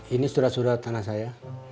ini surat surat tanah saya